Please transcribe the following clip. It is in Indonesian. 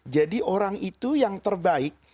jadi orang itu yang terbaik